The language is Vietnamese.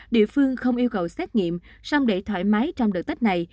địa phương không yêu cầu xét nghiệm xong để thoải mái trong đợt tết này